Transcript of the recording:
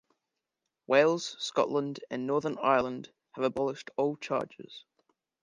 Wales, Scotland and Northern Ireland have abolished all charges.